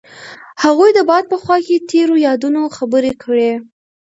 هغوی د باد په خوا کې تیرو یادونو خبرې کړې.